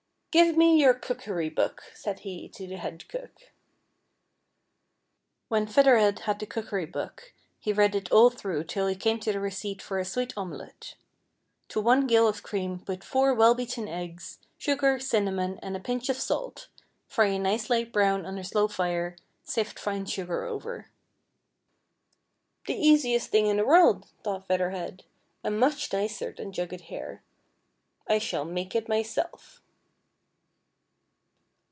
FEATHER HEAD, 233 •' Give me your cookery book," said he to the head cook. Wlicii Feather Head had the cookery book, he read it all throir^h till he came to the receii)t for a sweet omelet :" To one ^g\\\ of cream put four well beaten eggs, sugar, cinnamon, and a pinch of salt, fry a nice light brown on a slow fire, sift fine sugar over." "The easiest thing in the world," thought Feather Head, " and much nicer than jugged hare. I shall make it myself."